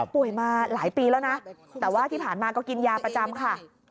มาหลายปีแล้วนะแต่ว่าที่ผ่านมาก็กินยาประจำค่ะ